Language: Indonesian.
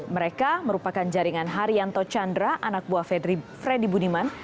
mereka merupakan jaringan haryanto chandra anak buah freddy budiman